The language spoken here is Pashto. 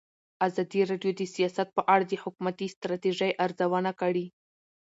ازادي راډیو د سیاست په اړه د حکومتي ستراتیژۍ ارزونه کړې.